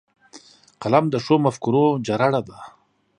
قلم د ښو مفکورو جرړه ده